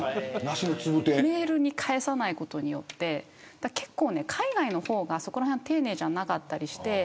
メールを返さないことによって結構、海外の方が、そこらへんは丁寧じゃなかったりして。